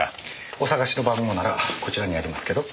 お探しの番号ならこちらにありますけど。